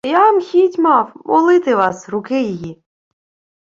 — Я-м хіть мав... молити вас... руки її...